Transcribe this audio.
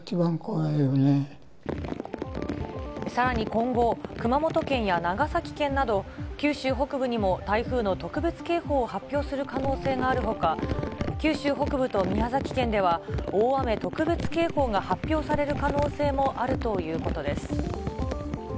さらに、今後、熊本県や長崎県など、九州北部にも台風の特別警報を発表する可能性があるほか、九州北部と宮崎県では、大雨特別警報が発表される可能性もあるということです。